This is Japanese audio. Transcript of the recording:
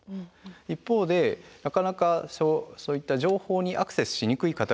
一方でなかなかそういった情報にアクセスしにくい方々もおられます。